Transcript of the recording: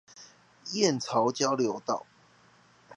燕巢交流道